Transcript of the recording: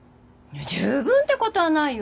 十分ってことはないよ。